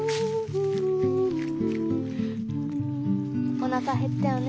おなかへったよね。